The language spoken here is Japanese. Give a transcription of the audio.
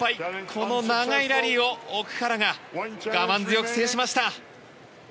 この長いラリーを奥原が我慢強く制しました。